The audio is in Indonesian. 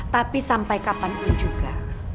tapi sampai kapan pun juga